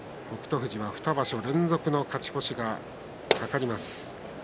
富士、２場所連続の勝ち越しが懸かります。